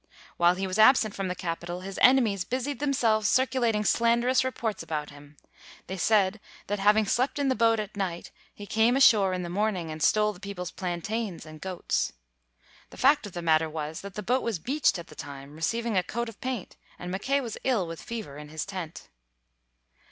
While he was absent from the capital, his enemies busied themselves circulating slanderous re ports about him. They said that, having slept in the boat at night, he came ashore in the morning and stole the people 's plantains and goats. The fact of the matter was that the boat was beached at the time, receiving a coat of paint, and Mackay was ill with fever in his tent.